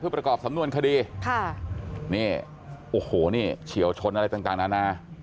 ประกอบสำนวนคดีค่ะนี่โอ้โหนี่เฉียวชนอะไรต่างนานา